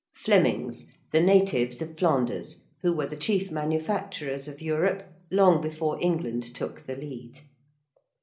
~Flemings~: the natives of Flanders; who were the chief manufacturers of Europe long before England took the lead.